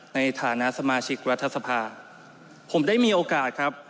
ในฐานะสมาชิกรัฐสภาผมได้มีโอกาสครับ